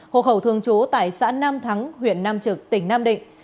hộ khẩu thường trú tại xã nam thắng huyện nam trực tỉnh nam định